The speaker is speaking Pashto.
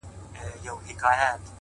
عمرونه وسول په تیارو کي دي رواني جرګې-